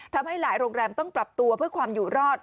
ทำให้หลายโรงแรมต้องปรับตัวเพื่อความอยู่รอด